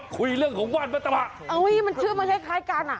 คุยเรื่องของว่านมัตตะบะมันชื่อมันคล้ายกัน